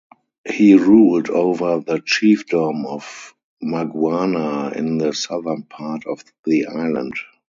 He ruled over the chiefdom of Maguana in the southern part of the island.